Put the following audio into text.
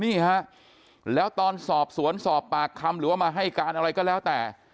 นี่ฮะแล้วตอนสอบสวนสอบปากคำหรือว่ามาให้การอะไรก็แล้วแต่